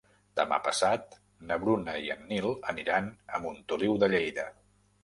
Demà passat na Bruna i en Nil aniran a Montoliu de Lleida.